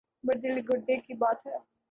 بڑے دل گردے کی بات ہے۔